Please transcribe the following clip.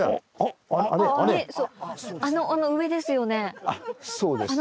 あのあの上ですよね。